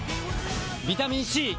ビタミン Ｃ！